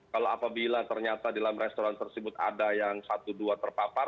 kalau apabila ternyata di dalam restoran tersebut ada yang satu dua terpapar